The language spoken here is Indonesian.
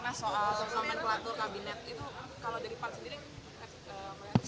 nah soal semen pelatur kabinet itu kalau dari pak sendiri